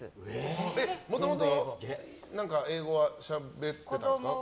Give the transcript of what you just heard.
もともと、英語はしゃべってたんですか？